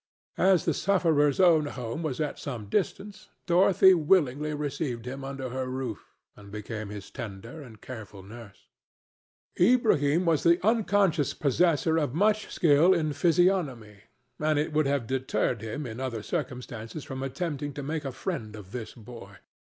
As the sufferer's own home was at some distance, Dorothy willingly received him under her roof and became his tender and careful nurse. Ilbrahim was the unconscious possessor of much skill in physiognomy, and it would have deterred him in other circumstances from attempting to make a friend of this boy.